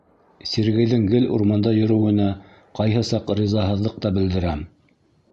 — Сергейҙың гел урманда йөрөүенә ҡайһы саҡ ризаһыҙлыҡ та белдерәм.